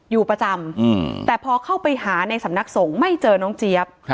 อยู่ประจำแต่พอเข้าไปหาในสำนักสงฆ์ไม่เจอน้องเจี๊ยบ